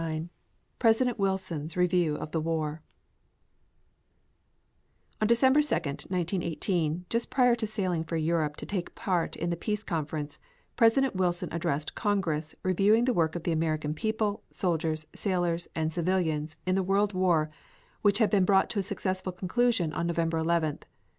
CHAPTER LIX PRESIDENT WILSON'S REVIEW OF THE WAR On December 2, 1918, just prior to sailing for Europe to take part in the Peace Conference, President Wilson addressed Congress, reviewing the work of the American people, soldiers, sailors and civilians, in the World War which had been brought to a successful conclusion on November 11th.